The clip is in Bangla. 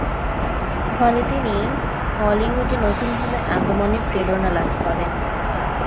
ফলে তিনি হলিউডে নতুনভাবে আগমনের প্রেরণা লাভ করেন।